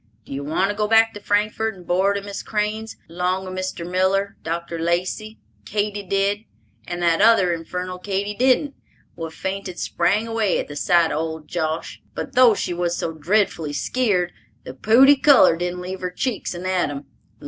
D'ye want to go back to Frankfort and board at Miss Crane's, 'long of Mr. Miller, Dr. Lacey, Katy did, and that other infernal Katy didn't, what fainted spang away at the sight of old Josh! But though she was so dreadfully skeered, the pooty color didn't leave her cheeks an atom.